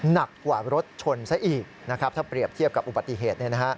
หนักกว่ารถชนซะอีกนะครับถ้าเปรียบเทียบกับอุบัติเหตุ